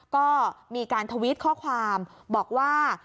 ก็มีการทวิตข้อความบอกว่า